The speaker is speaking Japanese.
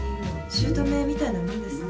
姑みたいなものですね。